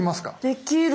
できる。